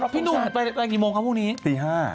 ถึงเรื่องนี้นะฮะ